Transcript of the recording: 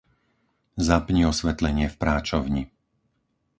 Zapni osvetlenie v práčovni.